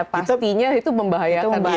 pastinya itu membahayakan